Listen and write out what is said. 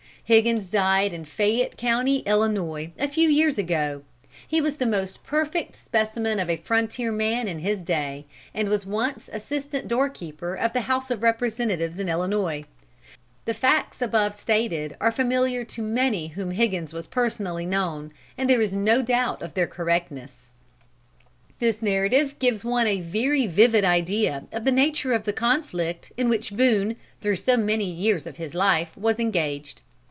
Higgins died in Fayette County, Illinois, a few years ago. He was the most perfect specimen of a frontier man in his day, and was once assistant door keeper of the House of Representatives in Illinois. The facts above stated are familiar to many to whom Higgins was personally known, and there is no doubt of their correctness."[E] [Footnote E: Brown's Illinois.] This narrative gives one a very vivid idea of the nature of the conflict in which Boone, through so many years of his life, was engaged.